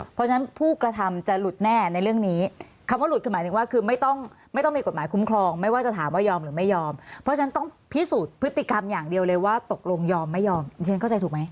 เพราะฉะนั้นผู้กระทำจะหลุดแน่ในเรื่องนี้คำว่าหลุดคือหมายถึงว่าคือไม่ต้องไม่ต้องมีกฎหมายคุ้มครองไม่ว่าจะถามว่ายอมหรือไม่ยอมเพราะฉะนั้นต้องพิสูจน์พฤติกรรมอย่างเดียวเลยว่าตกลงยอมไม่ยอมฉันเข้าใจถูกไหม